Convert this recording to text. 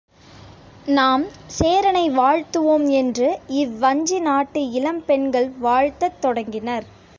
நாம் சேரனை வாழ்த்துவோம் என்று இவ்வஞ்சி நாட்டு இளம் பெண்கள் வாழ்த்தத் தொடங்கினர்.